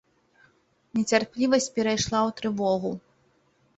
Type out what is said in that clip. Нецярплівасць перайшла ў трывогу.